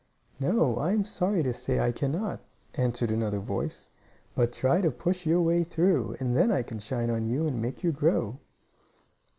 "No, I am sorry to say I cannot," answered another voice. "But try to push your way through, and then I can shine on you, and make you grow."